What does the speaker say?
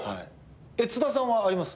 津田さんはあります？